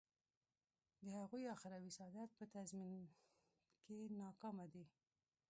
د هغوی اخروي سعادت په تضمین کې ناکامه دی.